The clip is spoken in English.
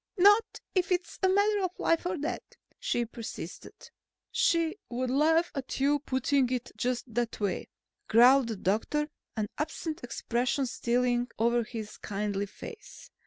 "Not if it's a matter of life or death?" she persisted. "She would laugh at your putting it just that way," growled the doctor, an absent expression stealing over his kindly face.